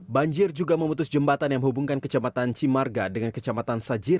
banjir juga memutus jembatan yang menghubungkan kecamatan cimarga dengan kecamatan sajir